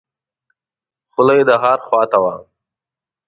خوله یې د ښار خواته وه.